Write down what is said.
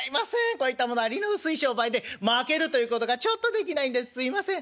こういったものは利の薄い商売でまけるということがちょっとできないんですすいません」。